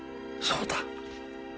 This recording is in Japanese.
そうだ！